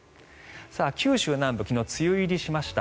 九州南部昨日、梅雨入りしました。